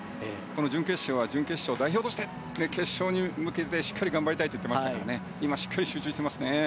この準決勝は準決勝代表として決勝に向けて、しっかり頑張りたいと言ってましたから今、しっかり集中していますね。